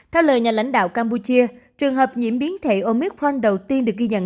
theo lời nhà lãnh đạo campuchia trường hợp nhiễm biến thể omicron đầu tiên được ghi nhận